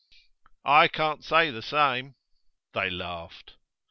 'I can't say the same.' They laughed.